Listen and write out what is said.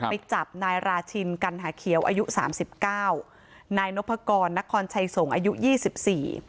ไปจับนายราชินกันหาเขียวอายุสามสิบเก้านายนพกรนครชัยสงฆ์อายุยี่สิบสี่